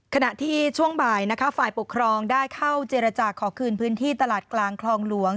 ขณะที่ช่วงบ่ายนะคะฝ่ายปกครองได้เข้าเจรจาขอคืนพื้นที่ตลาดกลางคลองหลวง